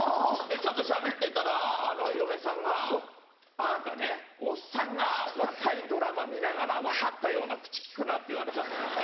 ちょっとしゃべってたら嫁さんが「あなたねおっさんが若いドラマ見ながら分かったような口利くな」って言われたんですよ。